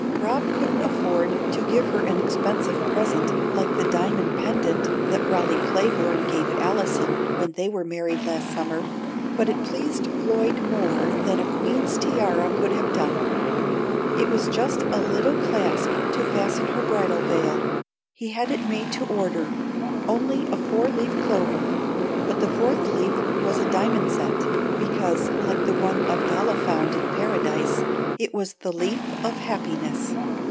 Rob couldn't afford to give her an expensive present like the diamond pendant that Raleigh Claiborne gave Allison when they were married last summer, but it pleased Lloyd more than a queen's tiara could have done. It was just a little clasp to fasten her bridal veil. He had it made to order only a four leaf clover, but the fourth leaf was diamond set, because, like the one Abdallah found in Paradise, it was the leaf of happiness.